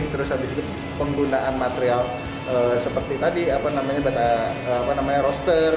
terus habis itu penggunaan material seperti tadi apa namanya bata apa namanya roaster